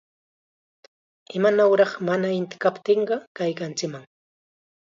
¡Imanawraq mana inti kaptin kaykanchikman!